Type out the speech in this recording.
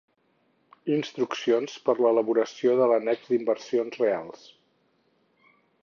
Instruccions per a l'elaboració de l'annex d'inversions reals.